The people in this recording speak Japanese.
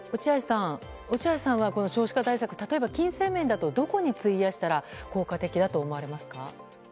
落合さんは少子化対策例えば金銭面だとどこに費やしたら効果的だと思われますか？